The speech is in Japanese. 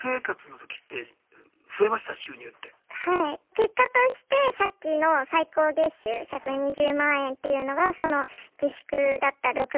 結果としてさっきの最高月収１２０万円っていうのがその自粛だった６月。